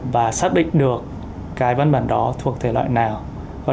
và xác định được cái văn bản đó thuộc thể loại nào